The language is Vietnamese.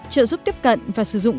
sáu trợ giúp tiếp cận và sử dụng